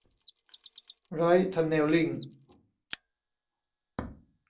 ไร้ท์ทันเน็ลลิ่ง